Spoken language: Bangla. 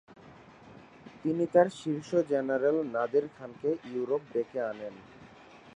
তিনি তার শীর্ষ জেনারেল নাদির খানকে ইউরোপ ডেকে আনেন।